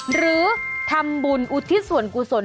หรือทำบุญอุทิศส่วนกุศล